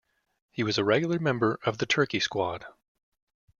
He was a regular member of the Turkey squad.